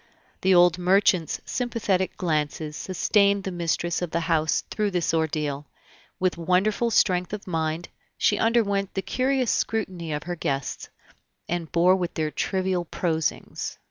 The old merchant's sympathetic glances sustained the mistress of the house through this ordeal; with wonderful strength of mind, she underwent the curious scrutiny of her guests, and bore with their trivial prosings.